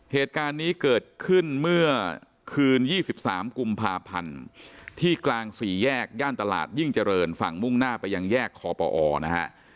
เหตุการณ์นี้เกิดขึ้นเมื่อคืน๒๓กุมภาพันธ์ที่กลางสี่แยกย่านตลาดยิ่งเจริญฝั่งมุ่งหน้าไปยังแยกคอปอนะฮะ